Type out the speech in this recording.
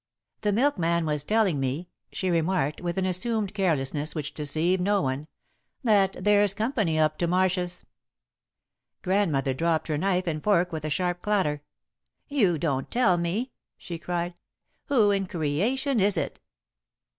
"The milkman was telling me," she remarked, with an assumed carelessness which deceived no one, "that there's company up to Marshs'." Grandmother dropped her knife and fork with a sharp clatter. "You don't tell me!" she cried. "Who in creation is it?"